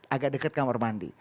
agak dekat kamar mandi